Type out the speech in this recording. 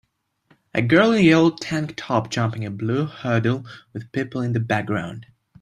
A girl in a yellow tank top jumping a blue hurdle with people in the background.